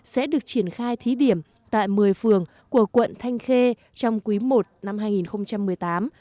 sẽ được triển khai thí điểm tại một mươi phường của quận thanh khê trong quý i năm hai nghìn một mươi tám